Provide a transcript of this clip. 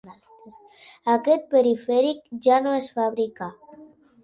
Aquest perifèric ja no es fabrica.